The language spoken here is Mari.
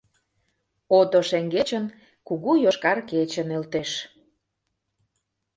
Ото шеҥгечын кугу йошкар кече нӧлтеш.